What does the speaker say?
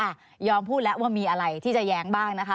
ยอมพูดแล้วว่ามีอะไรที่จะแย้งบ้างนะคะ